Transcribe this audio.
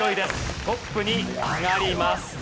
トップに上がります。